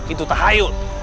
itu tak baik